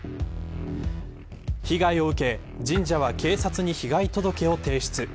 被害を受け神社は警察に被害届を提出。